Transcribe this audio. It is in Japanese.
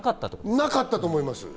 なかったと思います。